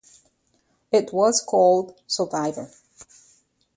It was called "Survivor".